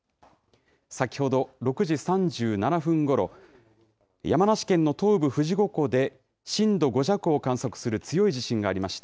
先ほど６時３７分ごろ山梨県の東部富士五湖で震度５弱を観測する強い地震がありました。